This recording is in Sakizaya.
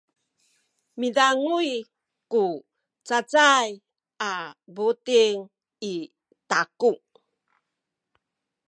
midanguy ku cacay a buting i taku.